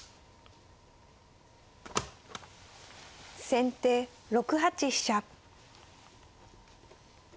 先手６八飛車。